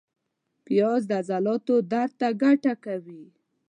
پیاز د عضلاتو درد ته ګټه کوي